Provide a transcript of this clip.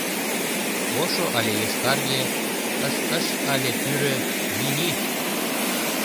Ошо але йошкарге, ШШ але пӱрӧ — ни-ни.